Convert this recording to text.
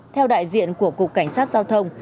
theo đại diện của cục cảnh sát giao thông